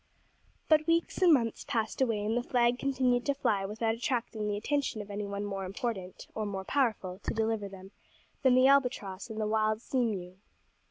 But weeks and months passed away, and the flag continued to fly without attracting the attention of any one more important, or more powerful to deliver them, than the albatross and the wild sea mew.